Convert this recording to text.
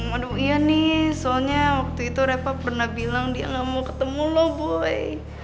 aduh iya nih soalnya waktu itu reva pernah bilang dia gak mau ketemu lo boy